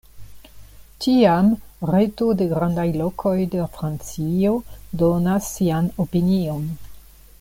Tiam Reto de Grandaj Lokoj de Francio donas sian opinion.